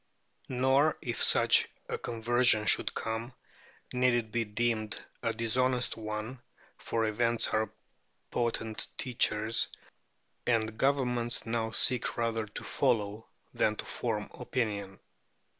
Nor, if such a conversion should come, need it be deemed a dishonest one, for events are potent teachers, and governments now seek rather to follow than to form opinion.